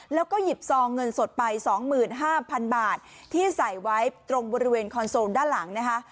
แล้วก็หยิบซองเงินสดไป๒๕๐๐๐บาทที่ใส่ไว้ตรงบริเวณคอนโซลด้านหลังนะคะ